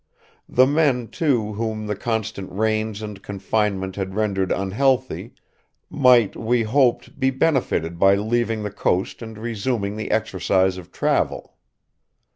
The men, too, whom the constant rains and confinement had rendered unhealthy, might, we hoped, be benefited by leaving the coast and resuming the exercise of travel.